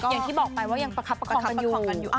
อย่างที่บอกไปว่ายังประคับประคองกันอยู่กันอยู่